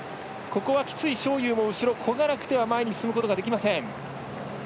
ここはきつい章勇もこがなくては前に進むことができません。